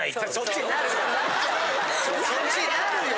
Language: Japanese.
そっちになるよ。